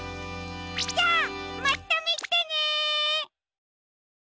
じゃあまたみてね！